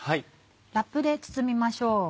ラップで包みましょう。